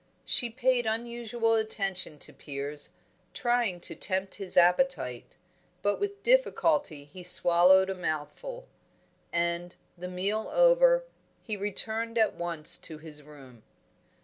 She paid unusual attention to Piers, trying to tempt his appetite; but with difficulty he swallowed a mouthful. And, the meal over, he returned at once to his room.